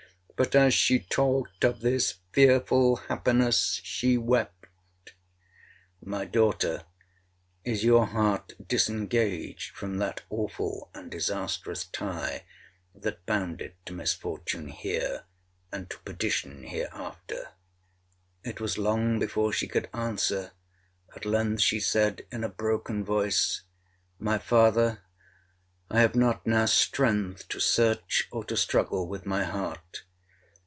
But, as she talked of this fearful happiness, she wept. 'My daughter, is your heart disengaged from that awful and disastrous tie that bound it to misfortune here, and to perdition hereafter?' It was long before she could answer; at length she said in a broken voice, 'My father, I have not now strength to search or to struggle with my heart.